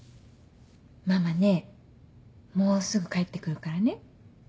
ママねもうすぐ帰ってくるからね。